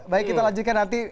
baik kita lanjutkan nanti